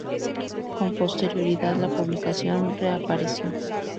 Con posterioridad la publicación reapareció.